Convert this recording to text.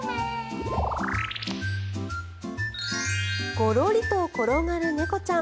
ゴロリと転がる猫ちゃん。